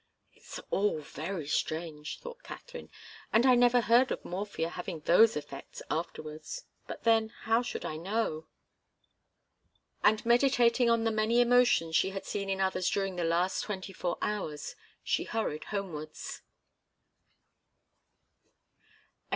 "It's all very strange," thought Katharine. "And I never heard of morphia having those effects afterwards. But then how should I know?" And meditating on the many emotions she had seen in others during the last twenty four hours, she hurried homewards.